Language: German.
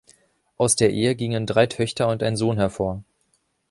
Aus der Ehe gingen drei Töchter und ein Sohn hervor.